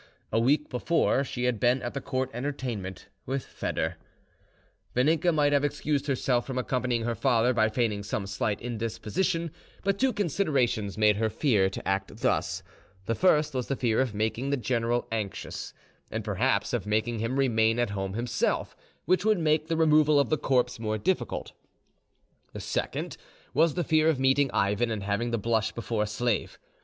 A week before, she had been at the Court entertainment with Foedor. Vaninka might have excused herself from accompanying her father by feigning some slight indisposition, but two considerations made her fear to act thus: the first was the fear of making the general anxious, and perhaps of making him remain at home himself, which would make the removal of the corpse more difficult; the second was the fear of meeting Ivan and having to blush before a slave.